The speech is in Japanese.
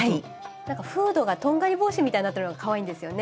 フードがとんがり帽子みたいになってるのがかわいいんですよね